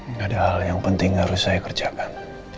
ini ada hal yang penting harus saya kerjakan